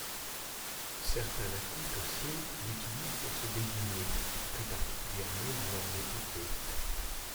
Certains Iakoutes aussi l'utilisent pour se désigner, plus particulièrement dans leurs épopées.